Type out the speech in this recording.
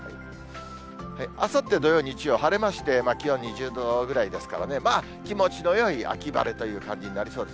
あさって土曜、日曜、晴れまして、気温２０度ぐらいですからね、まあ気持ちのよい秋晴れという感じになりそうです。